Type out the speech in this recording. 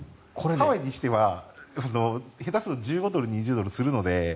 ハワイにしては下手すると１５ドル２０ドルするので。